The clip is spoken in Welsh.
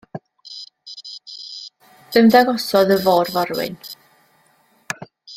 Ymddangosodd y fôr-forwyn.